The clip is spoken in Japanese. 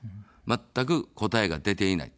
まったく答えが出ていない。